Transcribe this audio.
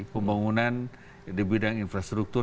pembangunan di bidang infrastruktur